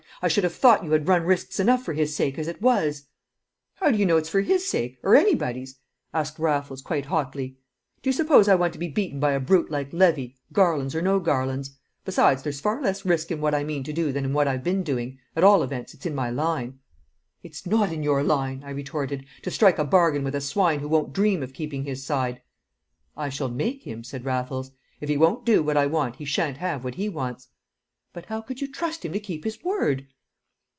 "I should have thought you had run risks enough for his sake as it was!" "How do you know it's for his sake or anybody's?" asked Raffles, quite hotly. "Do you suppose I want to be beaten by a brute like Levy, Garlands or no Garlands? Besides, there's far less risk in what I mean to do than in what I've been doing; at all events it's in my line." "It's not in your line," I retorted, "to strike a bargain with a swine who won't dream of keeping his side." "I shall make him," said Raffles. "If he won't do what I want he shan't have what he wants." "But how could you trust him to keep his word?"